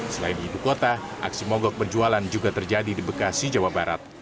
selain di ibu kota aksi mogok berjualan juga terjadi di bekasi jawa barat